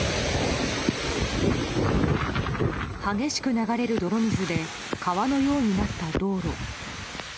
激しく流れる泥水で川のようになった道路。